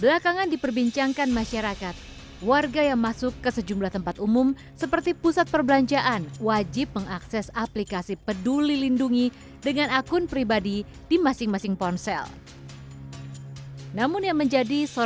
aplikasi peduli lindungi